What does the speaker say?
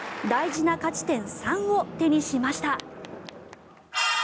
大事な勝ち点３を手にしました。